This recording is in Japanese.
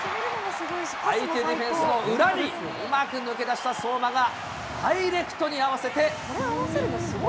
相手ディフェンスの裏に、うまく抜け出した相馬がダイレクトに合わせて。